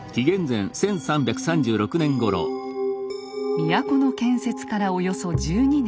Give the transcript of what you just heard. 都の建設からおよそ１２年。